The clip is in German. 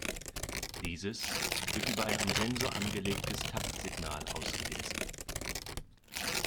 Dieses wird über ein am Sensor angelegtes Taktsignal ausgelesen.